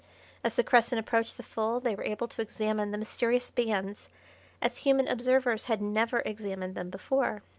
As the crescent approached the full they were able to examine the mysterious bands as human observers had never examined them before.